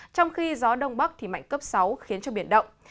trong khi gió đông bắc mạnh cấp sáu khiến cho biển động